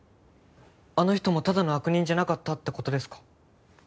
あの人もただの悪人じゃなかったって事ですか？